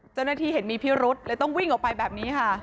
เจ้าหน้าที่เห็นมีพิรุษเลยต้องวิ่งออกไปแบบนี้ค่ะ